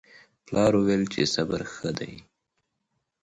پلار وویل چې صبر ښه دی.